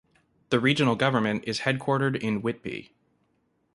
The regional government is headquartered in Whitby.